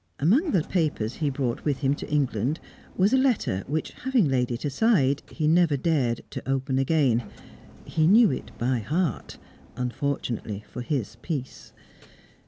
Among the papers he brought with him to England was a letter, which, having laid it aside, he never dared to open again. He knew it by heart unfortunately for his peace.